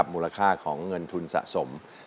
มูลค่าของเงินทุนสะสม